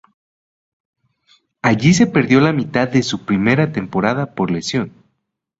Allí se perdió la mitad de su primera temporada por lesión.